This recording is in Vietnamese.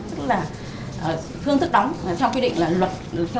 tức là phương thức đóng theo quy định của luật là hàng tháng